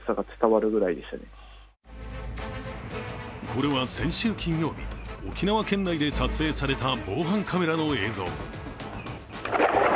これは先週金曜日、沖縄県内で撮影された防犯カメラの映像。